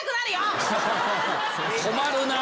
困るなぁ。